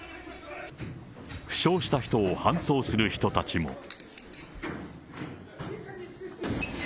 負傷した人を搬送する人たちも。